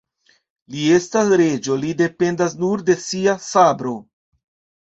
Li estas reĝo, li dependas nur de sia sabro.